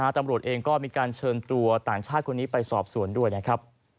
ตำรวจเองก็มีการเชิญตัวต่างชาติคนนี้ไปสอบสวนด้วยนะครับ